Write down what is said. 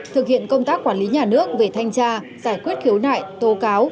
thực hiện công tác quản lý nhà nước về thanh tra giải quyết khiếu nại tố cáo